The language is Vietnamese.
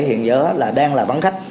hiện giờ là đang là vắng khách